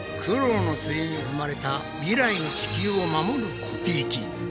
苦労の末に生まれた未来の地球を守るコピー機。